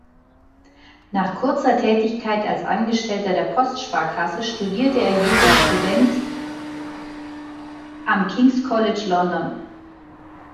Nach kurzer Tätigkeit als Angestellter der Postsparkasse studierte er Jurisprudenz am King’s College London.